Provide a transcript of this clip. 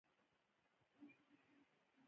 د بانکي کارت په واسطه له ماشین څخه پیسې اخیستل کیږي.